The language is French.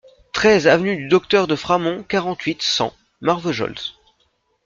treize avenue du Docteur de Framond, quarante-huit, cent, Marvejols